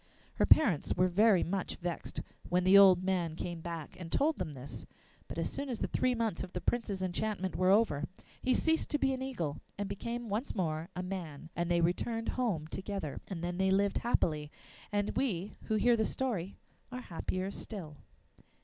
Her parents were very much vexed when the old man came back and told them this, but as soon as the three months of the Prince's enchantment were over, he ceased to be an eagle and became once more a man, and they returned home together. And then they lived happily, and we who hear the story are happier still.